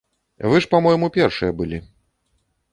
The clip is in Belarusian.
Вы ж па-мойму першыя былі.